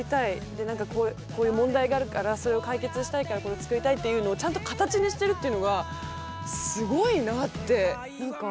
で何かこういう問題があるからそれを解決したいからこれを作りたいっていうのをちゃんと形にしてるっていうのがすごいなって。